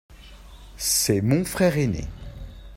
C'est mon frère ainé.